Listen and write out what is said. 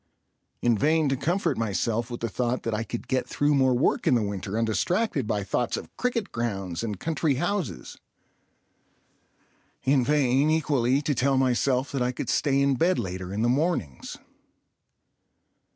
In vain to comfort myself with the thought that I could get through more work in the winter undistracted by thoughts of cricket grounds and country houses. In vain, equally, to tell myself that I could stay in bed later in the mornings.